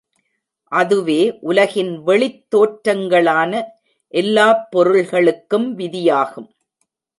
அதுவே உலகின் வெளித் தோற்றங்களான எல்லாப் பொருள்களுக்கும் விதியாகும்.